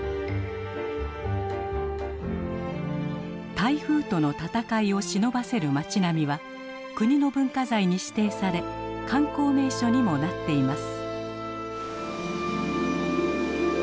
台風との闘いをしのばせる町並みは国の文化財に指定され観光名所にもなっています。